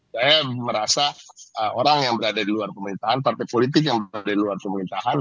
saya merasa orang yang berada di luar pemerintahan partai politik yang berada di luar pemerintahan